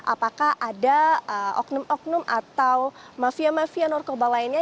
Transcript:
apakah ada oknum oknum atau mafia mafia narkoba lainnya